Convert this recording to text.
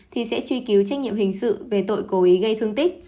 thì sẽ truy cứu trách nhiệm hình sự về tội cố ý gây thương tích